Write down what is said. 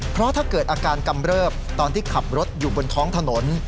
เพราะถ้าเกิดอาการกำเริบตอนที่ขับรถอยู่บนท้องถนน